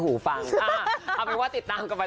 ขอให้ยังก็ต้องมีความน่าว่าให้มันมีเผ็ดร้อน